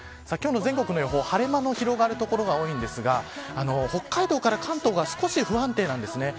今日の全国の予報晴れ間の広がる所が多いですが北海道から関東が少し不安定です。